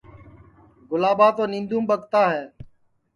گُلاٻا تو نینٚدُؔوم ٻکتا ہے